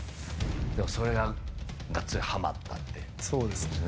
それがガッツリはまったってことですね。